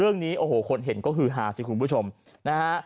เรื่องนี้โอ้โหคนเห็นก็คือฮาสิคุณผู้ชมนะฮะ